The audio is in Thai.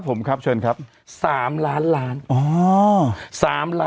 หรอหรอหรอหรอหรอหรอหรอ